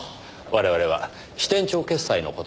我々は支店長決済の事で少々。